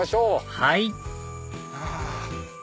はい！